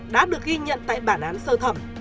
đã được ghi nhận tại bản án sơ thẩm